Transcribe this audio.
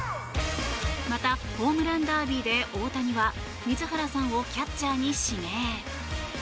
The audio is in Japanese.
また、ホームランダービーで大谷は水原さんをキャッチャーに指名。